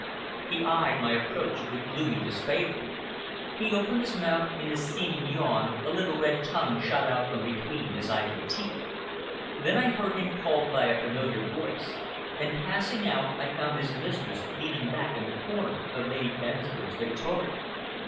He eyed my approach with gloomy disfavor. He opened his mouth in a seeming yawn, a little, red tongue shot out from between his ivory teeth. Then I heard him called by a familiar voice, and passing out, I found his mistress leaning back in the corner of Lady Dennisford's victoria.